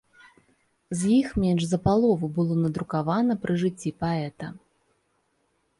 З іх менш за палову было надрукавана пры жыцці паэта.